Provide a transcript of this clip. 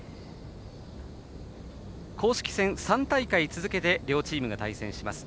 公式戦３大会続けて両チームが対戦します。